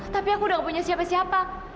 tapi aku udah gak punya siapa siapa